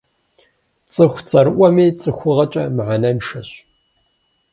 Цӏыху цӏэрыӏуэми цӏыхугъэкӏэ мыхьэнэншэщ.